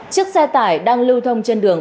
chiếc xe tải đang lưu thông trên đường